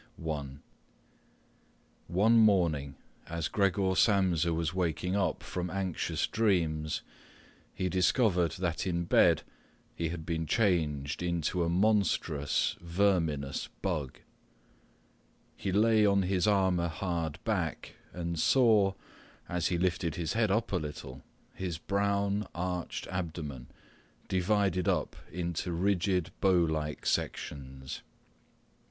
One morning, as Gregor Samsa was waking up from anxious dreams, he discovered that in bed he had been changed into a monstrous verminous bug. He lay on his armour hard back and saw, as he lifted his head up a little, his brown, arched abdomen divided up into rigid bow like sections.